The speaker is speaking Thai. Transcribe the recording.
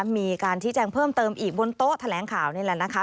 มีการชี้แจงเพิ่มเติมอีกบนโต๊ะแถลงข่าวนี่แหละนะคะ